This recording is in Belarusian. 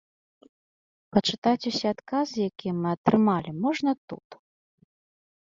Пачытаць усе адказы, якім мы атрымалі можна тут.